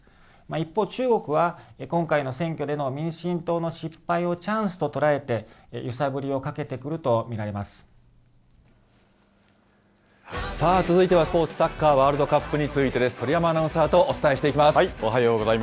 一方、中国は今回の選挙での民進党の失敗をチャンスと捉えて揺さぶりをさあ続いてはスポーツ、サッカーワールドカップについてです。鳥山アナウンサーとお伝えしていきます。